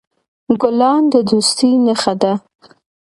ګلان د دوستی نښه ده.